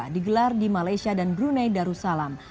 digelar di malaysia dan brunei darussalam